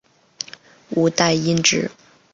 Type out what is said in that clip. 五代因之。